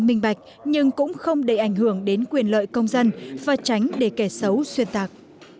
minh bạch nhưng cũng không để ảnh hưởng đến quyền lợi công dân và tránh để kẻ xấu xuyên tạc